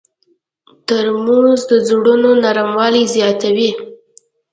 ترموز د زړونو نرموالی زیاتوي.